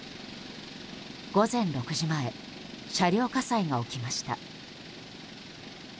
午前６時前車両火災が起きました。